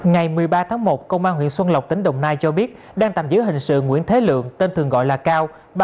ngày một mươi ba tháng một công an huyện xuân lộc tỉnh đồng nai cho biết đang tạm giữ hình sự nguyễn thế lượng tên thường gọi là cao